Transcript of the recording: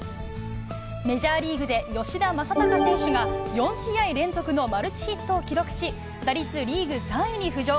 メジャーリーグで吉田正尚選手が４試合連続のマルチヒットを記録し、打率リーグ３位に浮上。